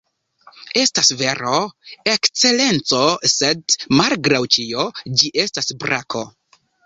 “Estas vero, Ekscelenco; sed, malgraŭ ĉio, ĝi estas brako.”